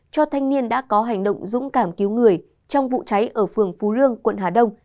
cho thanh niên đã có hành động dũng cảm cứu người trong vụ cháy ở phường phú lương quận hà đông